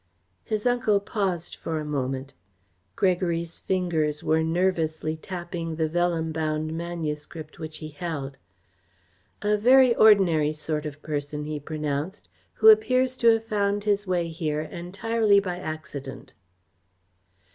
His uncle paused for a moment. Gregory's fingers were nervously tapping the vellum bound manuscript which he held. "A very ordinary sort of person," he pronounced, "who appears to have found his way here entirely by accident."